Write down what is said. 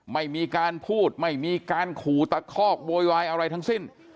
ไม่มีการพูดไม่มีการขู่ตะคอกโวยวายอะไรทั้งสิ้น